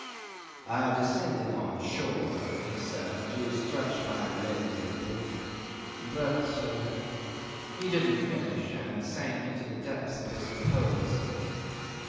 "I descended on shore," he said, "to stretch my legs a little, but ..." He didn't finish, and sank into the depths of his repose.